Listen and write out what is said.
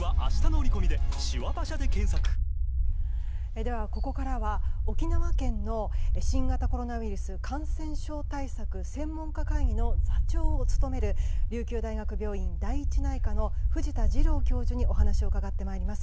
では、ここからは沖縄県の新型コロナウイルス感染症対策専門家会議の座長を務める琉球病院第一内科の藤田次郎教授にお話を伺って参ります。